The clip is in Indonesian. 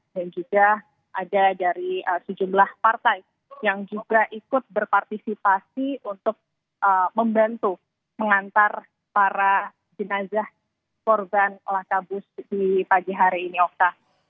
dan juga ada dari sejumlah partai yang juga ikut berpartisipasi untuk membantu mengantar para jenazah korban laka bus di pagi hari ini okta